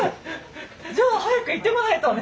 じゃあ早く行ってこないとね。